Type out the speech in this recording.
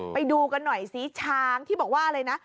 ไปดูกันหน่อยซิช้างที่บอกว่าอะไรนะ